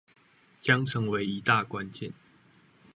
將成為一大關鍵